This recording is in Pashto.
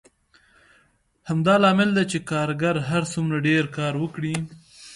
همدا لامل دی چې کارګر هر څومره ډېر کار وکړي